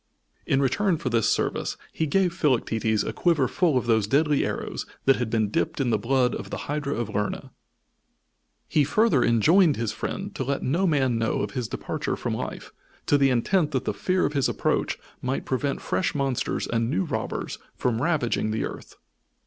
In return for this service he gave Philoctetes a quiver full of those deadly arrows that had been dipped in the blood of the Hydra of Lerna. He further enjoined his friend to let no man know of his departure from life, to the intent that the fear of his approach might prevent fresh monsters and new robbers from ravaging the earth.